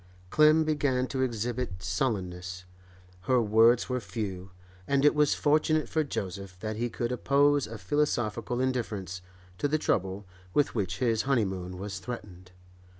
Clem began to exhibit sullenness; her words were few, and it was fortunate for Joseph that he could oppose a philosophical indifference to the trouble with which his honeymoon was threatened.